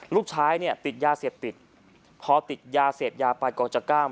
ลูกชายเนี่ยติดยาเสพติดพอติดยาเสพยาไปก่อนจะกล้าม